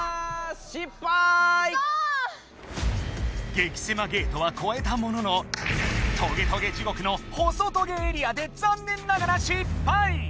激せまゲートはこえたもののトゲトゲ地ごくのほそトゲエリアでざんねんながら失敗！